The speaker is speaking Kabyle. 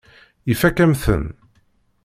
Ifakk-am-ten.